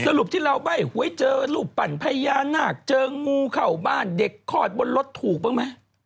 สรุปที่เราใบ้หวยเจอรูปปั่นพญานาคเจองูเข้าบ้านเด็กคลอดบนรถถูกบ้างไหม